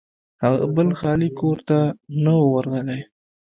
هغه بل خالي کور ته نه و ورغلی.